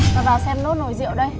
tao vào xem nốt nồi rượu đây